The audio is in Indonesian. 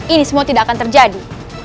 ini semua tidak akan terjadi